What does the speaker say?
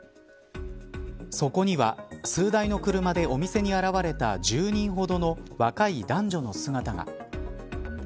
そこには数台の車でお店に現れた１０人ほどの若い男女の姿が。